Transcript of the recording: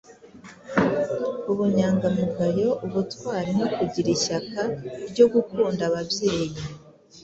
ubunyangamugayo, ubutwari no kugira ishyaka ryo gukunda ababyeyi